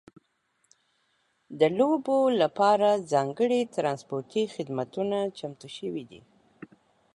د لوبو لپاره ځانګړي ترانسپورتي خدمتونه چمتو شوي دي.